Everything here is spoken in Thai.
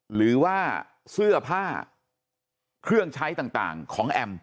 หรือว่าเสื้อผ้าเครื่องใช้ต่างของแอม